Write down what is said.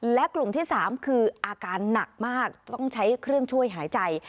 และกลุ่มที่๓คืออาการหนักมากต้องใช้เครื่องช่วยหายใจ